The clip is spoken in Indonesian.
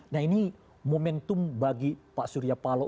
nah ini momentum bagi pak surya paloh